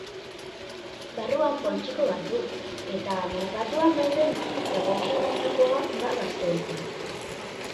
Barruan poltsiko bat du, eta merkatuan dauden egokienetakoa da gazteentzat.